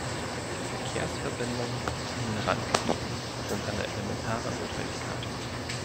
Die Verkehrsverbindungen in den Randgebieten sind eine elementare Notwendigkeit.